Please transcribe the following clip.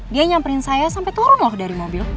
dia nyamperin saya sampai turun loh dari mobil